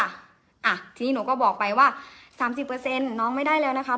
อ่ะทีนี้หนูก็บอกไปว่าสามสิบเปอร์เซ็นต์น้องไม่ได้แล้วนะคะพ่อ